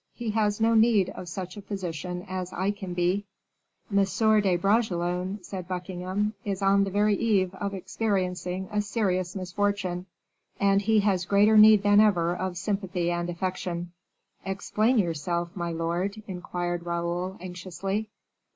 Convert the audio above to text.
He has no need of such a physician as I can be." "M. de Bragelonne," said Buckingham, "is on the very eve of experiencing a serious misfortune, and he has greater need than ever of sympathy and affection." "Explain yourself, my lord," inquired Raoul, anxiously.